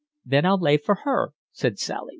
"Then I'll lay for her," said Sally.